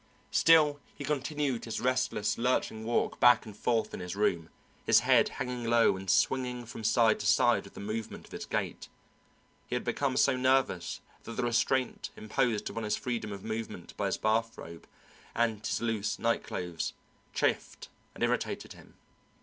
Still he continued his restless, lurching walk back and forth in his room, his head hanging low and swinging from side to side with the movement of his gait. He had become so nervous that the restraint imposed upon his freedom of movement by his bathrobe and his loose night clothes chafed and irritated him.